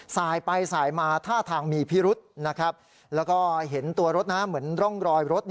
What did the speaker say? สายไปสายมาท่าทางมีพิรุษนะครับแล้วก็เห็นตัวรถเหมือนร่องรอยรถ